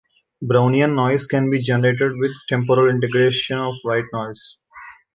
Brownian noise can be generated with temporal integration of White noise.